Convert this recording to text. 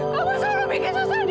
kamu selalu bikin susah dia